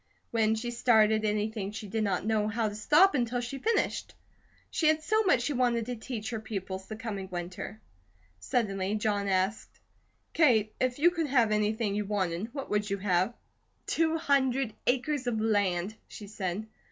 When she started anything she did not know how to stop until she finished. She had so much she wanted to teach her pupils the coming winter. Suddenly John asked: "Kate, if you could have anything you wanted, what would you have?" "Two hundred acres of land," she said.